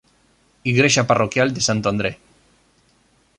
Igrexa Parroquial de Santo André.